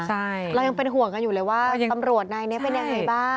ใช่เรายังเป็นห่วงกันอยู่เลยว่าตำรวจนายนี้เป็นยังไงบ้าง